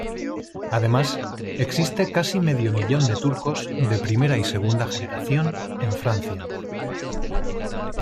Además existe casi medio millón de turcos de primera y segunda generación en Francia.